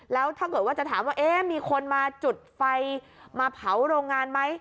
แล้วถ้าเกิดว่าจะถามว่ามีคนมาจุดไฟมาเผาโรงงานไหม